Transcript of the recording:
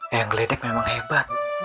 eyang gledek memang hebat